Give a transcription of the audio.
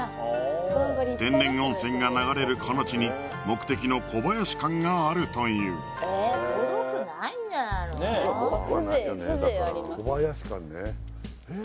天然温泉が流れるこの地に目的の小林館があるという小林館ねえっ